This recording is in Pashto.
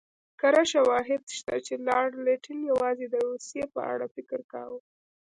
کره شواهد شته چې لارډ لیټن یوازې د روسیې په اړه فکر کاوه.